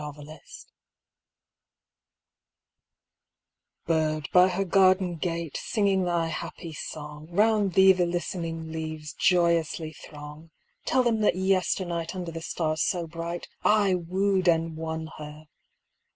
WON Bird, by her garden gate Singing thy happy song, Round thee the Hstening leaves Joyously throng. Tell them that yesternight Under the stars so bright, I wooed and won her